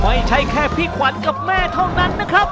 ไม่ใช่แค่พี่ขวัญกับแม่เท่านั้นนะครับ